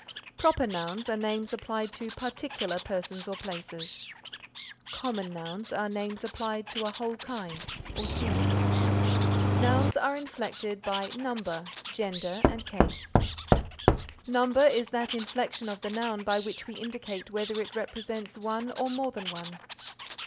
Proper nouns are names applied to particular persons or places. Common nouns are names applied to a whole kind or species. Nouns are inflected by number, gender and case. Number is that inflection of the noun by which we indicate whether it represents one or more than one.